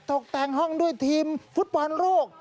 ตกแต่งห้องด้วยทีมฟุตบอลโลก